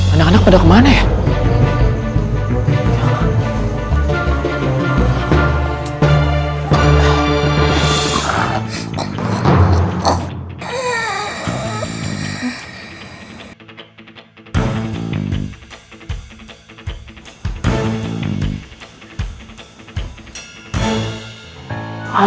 anak anak pada kemana ya